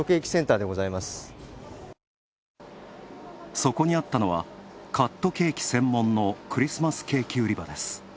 そこにあったのは、カットケーキ専門のクリスマスケーキ売り場です。